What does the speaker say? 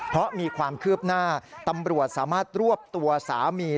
เพราะมีความคืบหน้าตำรวจสามารถรวบตัวสามี